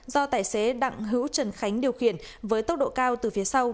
do tài xế đặng hữu trần khánh điều khiển với tốc độ cao từ phía sau